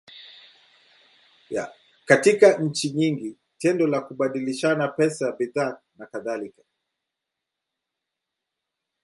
Katika nchi nyingi, tendo la kubadilishana pesa, bidhaa, nakadhalika.